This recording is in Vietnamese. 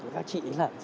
các chị là